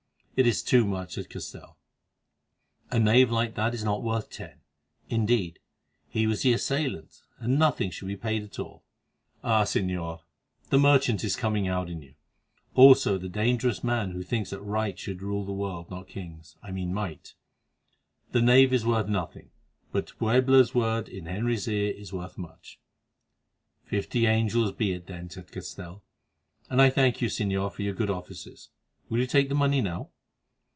"It is too much," said Castell; "a knave like that is not worth ten. Indeed, he was the assailant, and nothing should be paid at all." "Ah! Señor, the merchant is coming out in you; also the dangerous man who thinks that right should rule the world, not kings—I mean might. The knave is worth nothing, but de Puebla's word in Henry's ear is worth much." "Fifty angels be it then," said Castell, "and I thank you, Señor, for your good offices. Will you take the money now?"